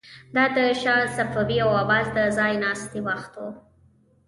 دا د شاه صفوي او عباس د ځای ناستي وخت و.